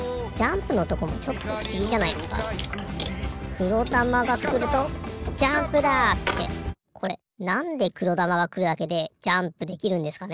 くろだまがくると「ジャンプだ！」ってこれなんでくろだまがくるだけでジャンプできるんですかね？